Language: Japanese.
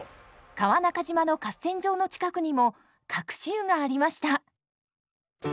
川中島の合戦場の近くにも隠し湯がありました。